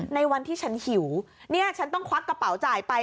ในวันที่ฉันหิวเนี่ยฉันต้องควักกระเป๋าจ่ายไป